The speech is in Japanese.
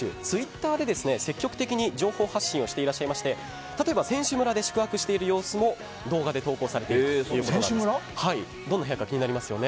ツイッターで積極的に情報発信をしていらっしゃいまして例えば、選手村で宿泊している様子も動画で投稿されています。